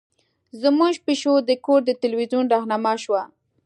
زمونږ پیشو د کور د تلویزیون رهنما شوه.